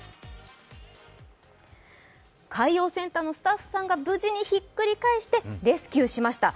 海洋センターのスタッフさんが無事にひっくり返してレスキューしました。